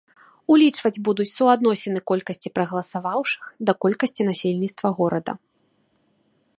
Улічваць будуць суадносіны колькасці прагаласаваўшых да колькасці насельніцтва горада.